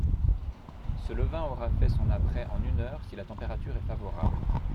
Ce levain aura fait son apprêt en une heure si la température est favorable.